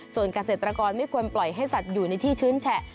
ส่วนเกษตรกรไม่ควรปล่อยให้สัตว์อยู่ในที่ชื้นแฉะ